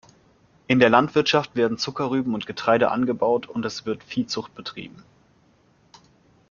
In der Landwirtschaft werden Zuckerrüben und Getreide angebaut und es wird Viehzucht betrieben.